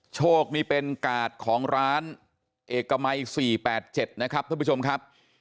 โชกมีเป็นกาดของร้านเอกไมสี่แปดเจ็ดนะครับท่านผู้ชมครับ